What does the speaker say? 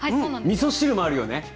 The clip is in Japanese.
みそ汁もあるよね。